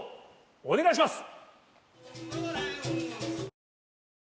お願いします！